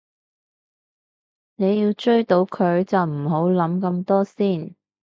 你要追到佢就唔好諗咁多先